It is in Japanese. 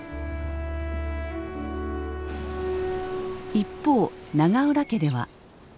一方永浦家では。